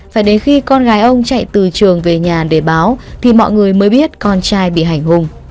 phải đến khi con gái ông chạy từ trường về nhà để báo thì mọi người mới biết con trai bị hành hùng